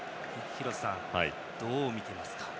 廣瀬さん、どう見ますか。